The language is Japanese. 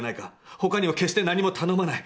外には決して何も頼まない。